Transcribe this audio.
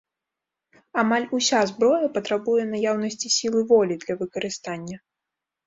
Амаль уся зброя патрабуе наяўнасці сілы волі для выкарыстання.